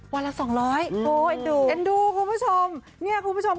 วันละสองร้อยโอ้เอ็นดูเอ็นดูคุณผู้ชมเนี่ยคุณผู้ชม